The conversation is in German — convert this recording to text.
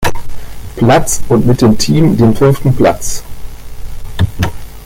Platz und mit dem Team den fünften Platz.